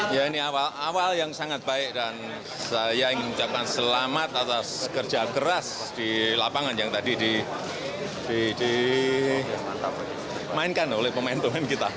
ya ini awal awal yang sangat baik dan saya ingin ucapkan selamat atas kerja keras di lapangan yang tadi dimainkan oleh pemain pemain kita